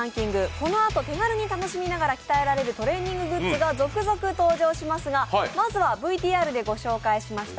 このあと、手軽に楽しみながら鍛えられるトレーニンググッズが続々登場しますが、まずはＶＴＲでご紹介しました